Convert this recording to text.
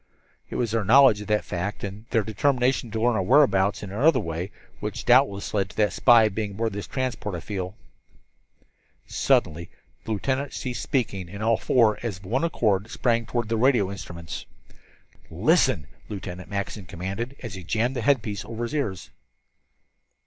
"It was their knowledge of that fact, and their determination to learn our whereabouts in another way, which doubtless led to that spy being aboard this transport. I feel " Suddenly the lieutenant ceased speaking, and all four, as of one accord, sprang toward the radio instruments. "Listen!" Lieutenant Mackinson commanded, as he jammed the headpiece over his ears.